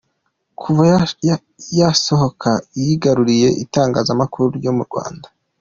Kuva yasohoka yigaruriye itangazamakuru ryo mu Rwanda.